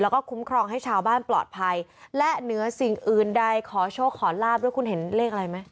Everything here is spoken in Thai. แล้วก็คุ้มครองให้ชาวบ้านปลอดภัยและเหนือสิ่งอื่นใดขอโชคขอลาบด้วยคุณเห็นเลขอะไรไหม